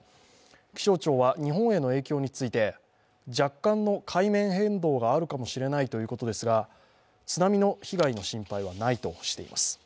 気象庁は日本への影響について、若干の海面変動があるかもしれないということですが、津波の被害の心配はないとしています。